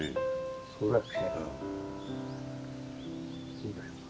そうだよね。